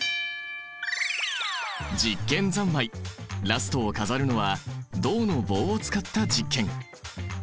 実験三昧ラストを飾るのは銅の棒を使った実験！